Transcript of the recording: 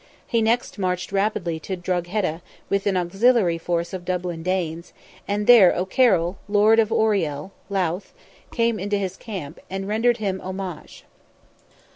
He next marched rapidly to Drogheda, with an auxiliary force of Dublin Danes, and there O'Carroll, lord of Oriel (Louth), came into his camp, and rendered him homage.